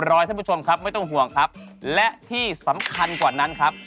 ตามแอฟผู้ชมห้องน้ำด้านนอกกันเลยดีกว่าครับ